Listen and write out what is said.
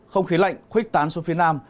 không khí lạnh khuếch tán xuống phía nam